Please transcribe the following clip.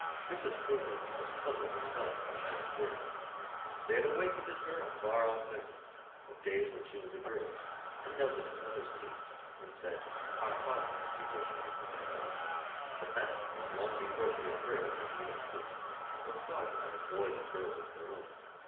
Mrs. Coomber was puzzled herself at the child's words. They had awakened in her a far off memory of days when she was a girl, and knelt at her mother's knee, and said, "Our Father," before she went to bed. But that was long before she had heard of Bermuda Point, or thought of having boys and girls of her own.